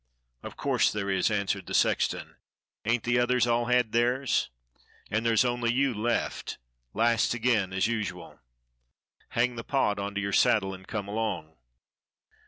"Of course there is," answered the sexton. Ain't the others all had theirs .^^ And there's only you left; last again, as usual. Hang the pot on to your sad dle and come along."